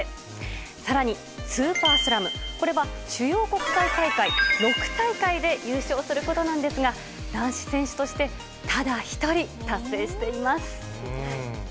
さらに、スーパースラム、これは主要国際大会６大会で優勝することなんですが、男子選手としてただ一人達成しています。